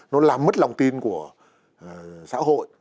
nó làm mất lòng tin của xã hội